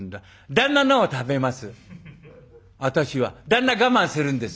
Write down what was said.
「旦那我慢するんです」。